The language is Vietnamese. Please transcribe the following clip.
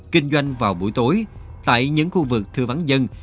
kinh doanh vào buổi tối tại những khu vực thư vắng dân